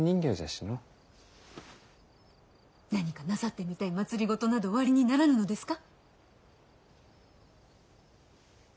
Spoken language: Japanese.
何かなさってみたい政などおありにならぬのですか？